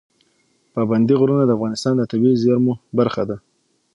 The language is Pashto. پابندی غرونه د افغانستان د طبیعي زیرمو برخه ده.